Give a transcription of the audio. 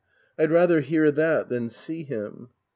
I'd rather hear that than see him.